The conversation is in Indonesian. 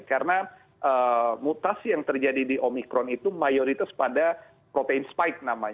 karena mutasi yang terjadi di omikron itu mayoritas pada protein spike namanya